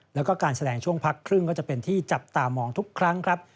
แล้วก็การแสดงช่วงพักครึ่งก็จะเป็นที่จับตามองทุกครั้งครับ